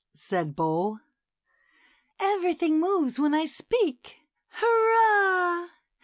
said Bo; "everything moves when I speak. Hurrah